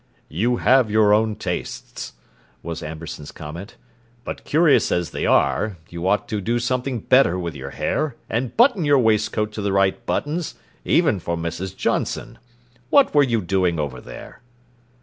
"You have your own tastes!" was Amberson's comment. "But curious as they are, you ought to do something better with your hair, and button your waistcoat to the right buttons—even for Mrs. Johnson! What were you doing over there?"